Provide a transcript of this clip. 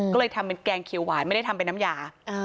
ก็เลยทำเป็นแกงเขียวหวานไม่ได้ทำเป็นน้ำยา